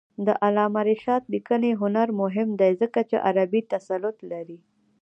د علامه رشاد لیکنی هنر مهم دی ځکه چې عربي تسلط لري.